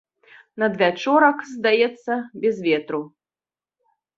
Надвячорак, здаецца, без ветру.